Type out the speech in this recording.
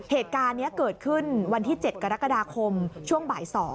เหตุการณ์นี้เกิดขึ้นวันที่๗กรกฎาคมช่วงบ่าย๒